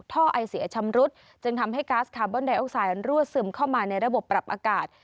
ไอเสียชำรุดจึงทำให้ก๊าซคาร์บอนไดออกไซด์รั่วซึมเข้ามาในระบบปรับอากาศ